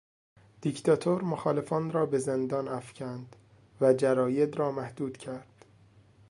دیکتاتور مخالفان را به زندان افکند و جراید را محدود کرد.